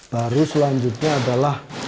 baru selanjutnya adalah